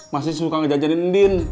masih suka ngejajarin din